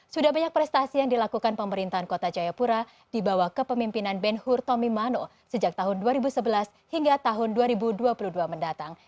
sudah banyak prestasi yang dilakukan pemerintahan kota jayapura di bawah kepemimpinan ben hur tomimano sejak tahun dua ribu sebelas hingga tahun dua ribu dua puluh dua mendatang